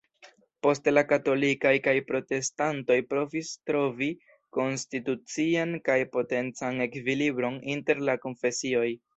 Poste la katolikaj kaj protestantoj provis trovi konstitucian kaj potencan ekvilibron inter la konfesioj.